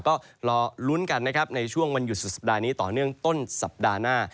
ก็รอลุ้นกันนะครับในช่วงวันหยุดสุดสัปดาห์นี้ต่อเนื่องต้นสัปดาห์หน้า